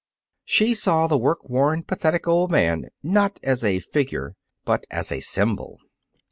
She saw the work worn pathetic old man not only as a figure but as a symbol.